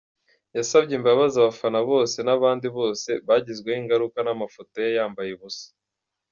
Yasabye imbabazi abafana bose n’abandi bose bagizweho ingaruka n’amafoto ye yambaye ubusa.